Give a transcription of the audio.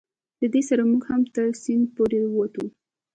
له دې سره موږ هم تر سیند پورې وتو.